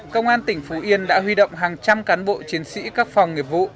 công an tỉnh phú yên đã huy động hàng trăm cán bộ chiến sĩ các phòng nghiệp vụ